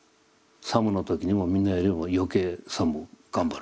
作務の時にもみんなよりも余計作務を頑張る。